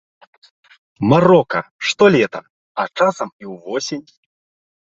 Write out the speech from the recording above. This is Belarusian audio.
Марока, штолета, а часам і ўвосень.